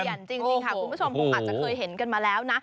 จริงค่ะคุณผู้ชมคงอาจจะเคยเห็นกันมาแล้วนะ